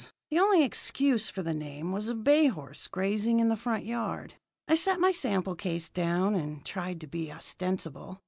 The only excuse for the name was a bay horse grazing in the front yard. I set my sample case down, and tried to be ostensible.